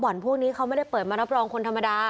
พวกนี้เขาไม่ได้เปิดมารับรองคนธรรมดา